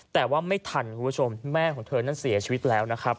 แต่ว่าไม่ทันคุณผู้ชมแม่ของเธอนั้นเสียชีวิตแล้วนะครับ